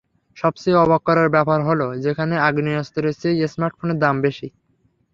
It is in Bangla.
সবচেয়ে অবাক করার ব্যাপার হলো, সেখানে আগ্নেয়াস্ত্রের চেয়ে স্মার্টফোনের দাম বেশি।